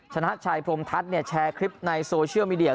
ชนะชัยพรมทัศน์แชร์คลิปในโซเชียลมีเดีย